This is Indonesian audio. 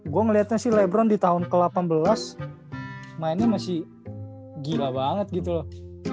gue ngeliatnya sih lebron di tahun ke delapan belas mainnya masih gila banget gitu loh